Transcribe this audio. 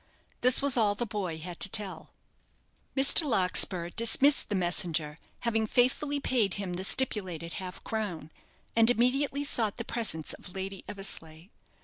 This was all the boy had to tell. Mr. Larkspur dismissed the messenger, having faithfully paid him the stipulated half crown, and immediately sought the presence of Lady Eversleigh.